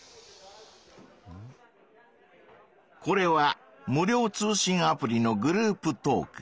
これは無料通信アプリのグループトーク。